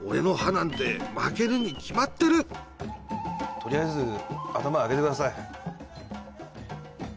とりあえず頭上げてください